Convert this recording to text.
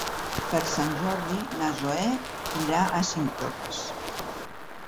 Per Sant Jordi na Zoè irà a Cinctorres.